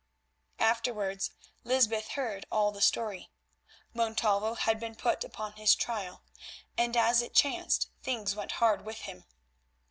Afterwards Lysbeth heard all the story. Montalvo had been put upon his trial, and, as it chanced, things went hard with him.